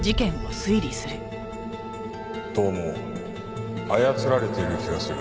どうも操られている気がする。